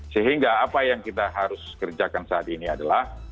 sehingga apa yang kita harus kerjakan saat ini adalah